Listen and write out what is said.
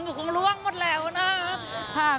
คงล่วงหมดแล้วนะ